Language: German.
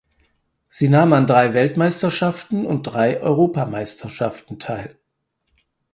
Sie nahm an drei Weltmeisterschaften und drei Europameisterschaften teil.